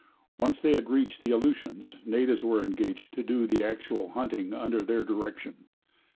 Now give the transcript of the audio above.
Once they had reached the Aleutians, natives were engaged to do the actual hunting under their direction.